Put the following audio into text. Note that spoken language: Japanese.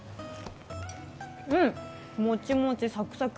もちもちサクサク